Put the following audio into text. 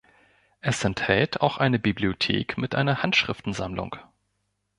Es enthält auch eine Bibliothek mit einer Handschriftensammlung.